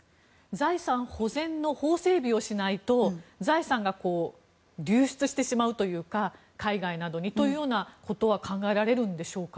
財産保全の法整備をしないと財産が流出してしまうというか海外などにというようなことは考えられるんでしょうか？